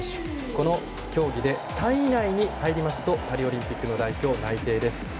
この競技で３位以内に入りますとパリオリンピックの代表内定です。